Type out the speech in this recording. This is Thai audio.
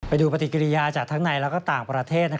ไปดูปฏิกิริยาจากทั้งในและต่างประเทศ